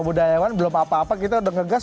budaya kan belum apa apa kita udah ngegas